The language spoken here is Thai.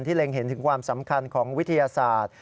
เล็งเห็นถึงความสำคัญของวิทยาศาสตร์